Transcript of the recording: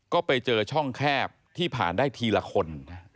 ก็ไปเจอช่องแคบที่ผ่านได้ทีละคน